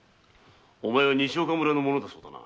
お前は西岡村の者だそうだな。